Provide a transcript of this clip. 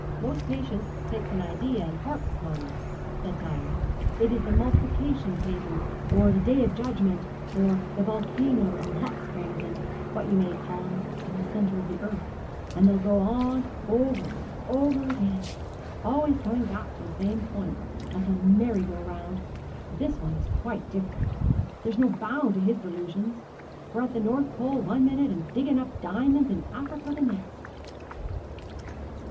'Most patients takes an idea and harps upon it,' said Towler. 'It's the multiplication table or the day of judgment or the volcanoes and hot springs, and what you may call ems, in the centre of the earth; and they'll go on over and over again always coming back to the same point, like a merry go round; but this one is quite different. There's no bounds to his delusions. We're at the North Pole one minute, and digging up diamonds in Africa the next.'